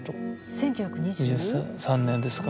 １９２０？３年ですか。